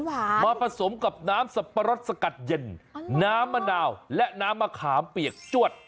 มาผสมกับน้ำสับปะรดสกัดเย็นน้ำมะนาวและน้ำมะขามเปียกจวด